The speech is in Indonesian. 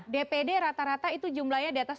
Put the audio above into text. dpd rata rata itu jumlahnya di atas dua puluh